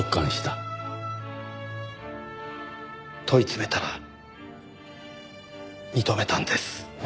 問い詰めたら認めたんです。